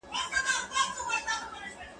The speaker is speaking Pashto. اوبه پاکه کړه؟!